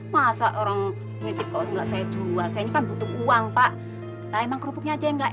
masa orang ngitip kau nggak saya jual saya kan butuh uang pak lah emang kerupuknya aja nggak